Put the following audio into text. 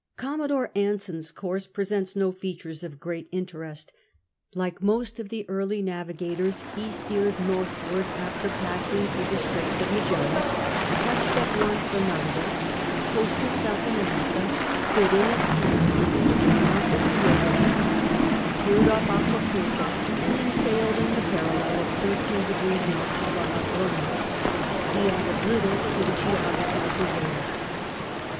Commodore Anson's course presents no features of great interest. Like most of the early navigators, he steered northward after passing through the Straits of Magellan, touched at Juan Fernandez, coasted South America, stood in at Panama, went out to sea again, appeared off Acapulco, and then sailed in the parallel of 13^ N. to tlie Ijadrones. He added little to the geography of the world.